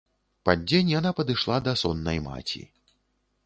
Пад дзень яна падышла да соннай маці.